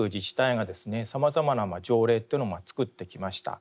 さまざまな条例というのを作ってきました。